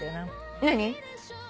何？